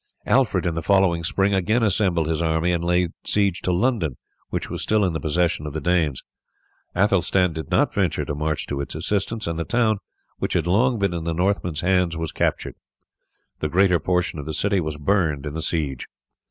Alfred in the following spring again assembled his army and laid siege to London, which was still in the possession of the Danes. Athelstan did not venture to march to its assistance, and the town, which had long been in the Northmen's hands, was captured. The greater portion of the city was burned in the siege.